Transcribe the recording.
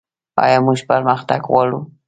آیا موږ پرمختګ غواړو؟